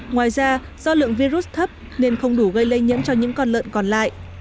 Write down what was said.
ngoài ra do lượng virus thấp nên không đủ gây lây nhiễm cho những con lợn còn lại